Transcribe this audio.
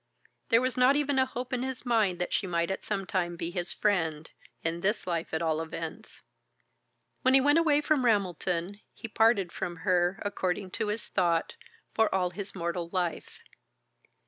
There was not even a hope in his mind that she might at some time be his friend in this life, at all events. When he went away from Ramelton, he parted from her, according to his thought, for all his mortal life.